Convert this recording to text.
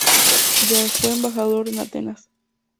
De a fue Embajador en Atenas.